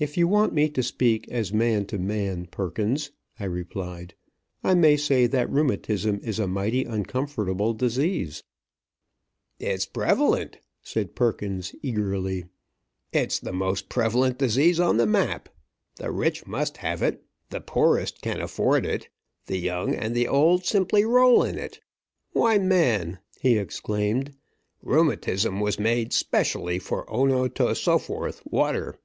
"If you want me to speak as man to man, Perkins," I replied, "I may say that rheumatism is a mighty uncomfortable disease." "It's prevalent," said Perkins, eagerly. "It's the most prevalent disease on the map. The rich must have it; the poorest can afford it; the young and the old simply roll in it! Why, man," he exclaimed, "rheumatism was made 'specially for O no to so forth water.